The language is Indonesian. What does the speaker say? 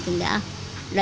tidak ada apa apa